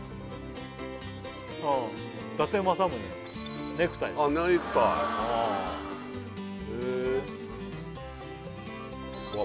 伊達政宗ネクタイあっネクタイうわ